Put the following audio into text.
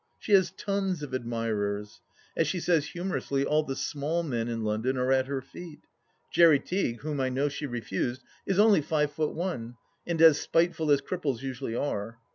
She has tons of admirers. As she says humorously, all the small men in London are at her feet. Jerry Teague, whom I know she refused, is only five foot one, and as spiteful as cripples usually are.